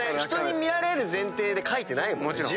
人に見られる前提で書いてないもんね。